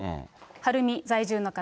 晴海在住の方。